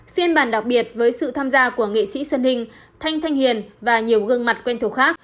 phiên bản đặc biệt với sự tham gia của nghệ sĩ xuân hình thanh thanh hiền và nhiều gương mặt quen thuộc khác